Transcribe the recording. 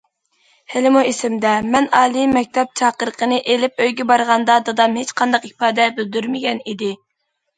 ھېلىمۇ ئېسىمدە، مەن ئالىي مەكتەپ چاقىرىقىنى ئېلىپ ئۆيگە بارغاندا دادام ھېچقانداق ئىپادە بىلدۈرمىگەن ئىدى.